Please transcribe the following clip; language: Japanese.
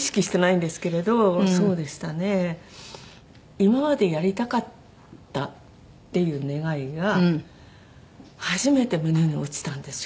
今までやりたかったっていう願いが初めて胸に落ちたんですよ。